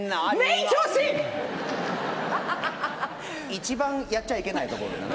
一番やっちゃいけないところだね。